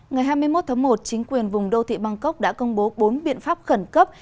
ngày hai mươi một tháng một chính quyền vùng đô thị bangkok đã công bố bốn biện pháp khẩn cấp